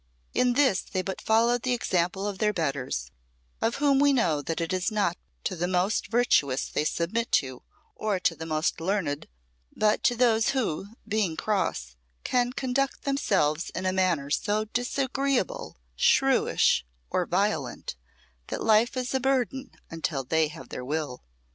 In this they but followed the example of their betters, of whom we know that it is not to the most virtuous they submit or to the most learned, but to those who, being crossed, can conduct themselves in a manner so disagreeable, shrewish or violent, that life is a burden until they have their will.